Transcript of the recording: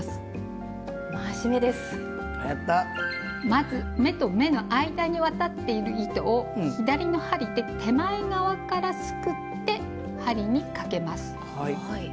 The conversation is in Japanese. まず目と目の間に渡っている糸を左の針で手前側からすくって針にかけます。